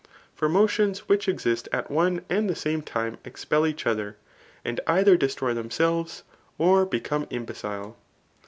For motions which eiditt at one and the same time expel each other, and either destroy themselves, or become imbecile.